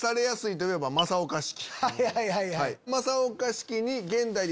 はいはいはい。